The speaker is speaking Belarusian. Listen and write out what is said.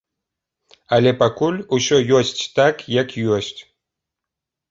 Але пакуль усё ёсць так, як ёсць.